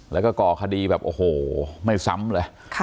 แล้วก็ก่อคดีแบบโอ้โหไม่ซ้ำเลย